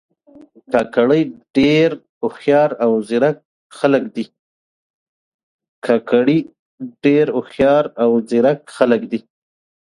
کاکړي ډېر هوښیار او زیرک خلک دي.